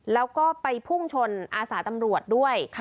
แล้วก็ไปพุ่งชนอาสาตำรวจด้วย